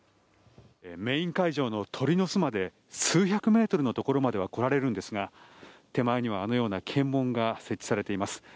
メイン会場の鳥の巣まで数百メートルのところまでは来られるんですが手前には、あのような検問が設置されています。